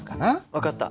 分かった。